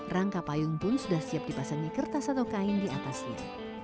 rangka payung pun sudah siap dipasangi kertas atau kain di atasnya